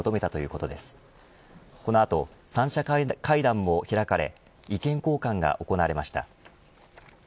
この後、三者会談も開かれ意見交換が行われました。